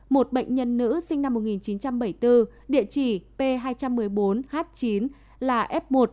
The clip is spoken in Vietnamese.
một bệnh nhân nữ sinh năm một nghìn chín trăm bảy mươi bốn địa chỉ p hai trăm một mươi bốn h chín là f một